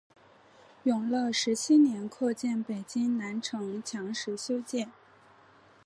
永乐十七年扩建北京南城墙时修建。